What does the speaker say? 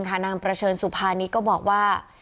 นางประเชิญสุภานีก็บอกว่า